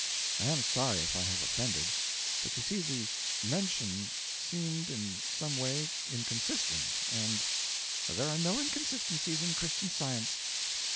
'I am sorry if I have offended, but you see the mention seemed in some way inconsistent, and ' 'There are no inconsistencies in Christian Science.